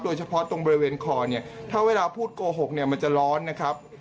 โดยเฉพาะตรงบริเวณคอเนี่ยถ้าเวลาพูดโกหกเนี่ยมันจะร้อนนะครับ